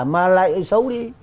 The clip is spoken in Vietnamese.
mà lại xấu đi